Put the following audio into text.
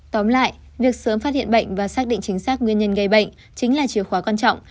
tóm lại việc sớm phát hiện bệnh và xác định chính xác nguyên nhân gây bệnh chính là chìa khóa quan trọng